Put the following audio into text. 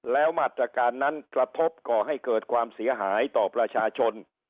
แล้วมาตรการนั้นกระทบก่อให้เกิดความเสียหายต่อประชาชน